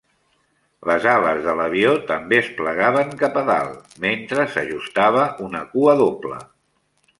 Les ales de l'avió també es plegaven cap a dalt, mentre s'ajustava una cua doble.